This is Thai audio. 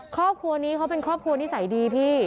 ครอบครัวนี้เขาเป็นครอบครัวนิสัยดีพี่